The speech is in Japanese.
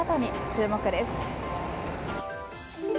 注目です。